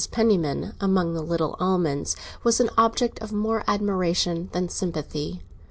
Penniman, among the little Almonds, was an object of more admiration than sympathy.